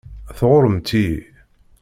Tɣuṛṛemt-iyi.